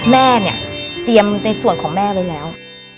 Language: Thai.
แม่เนี่ยเตรียมในส่วนของแม่ไว้แล้ว